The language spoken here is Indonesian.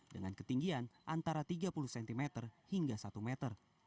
dengan ketinggian antara tiga puluh cm hingga satu meter